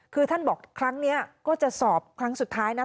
คือท่านบอกครั้งนี้ก็จะสอบครั้งสุดท้ายนะ